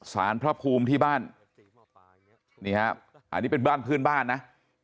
สารพระภูมิที่บ้านนี่ฮะอันนี้เป็นบ้านพื้นบ้านนะ